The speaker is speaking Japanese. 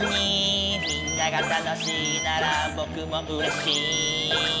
「みんなが楽しいならぼくもうれしい」